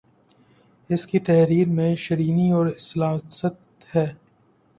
اسکی تحریر میں شیرینی اور سلاست ہے